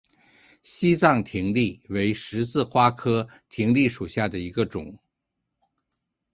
西藏葶苈为十字花科葶苈属下的一个种。